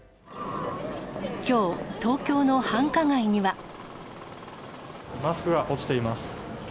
きょう東京の繁華街には。